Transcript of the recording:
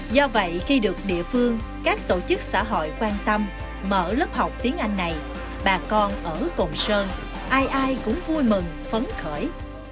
do vậy khi được địa phương các tổ chức xã hội quan tâm mở lớp học tiếng anh này bà con ở cồn sơn ai ai cũng vui mừng phấn khởi